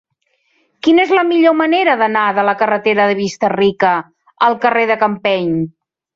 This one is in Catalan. Quina és la millor manera d'anar de la carretera de Vista-rica al carrer de Campeny?